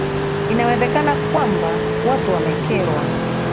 inawezekana kwamba watu wamekerwa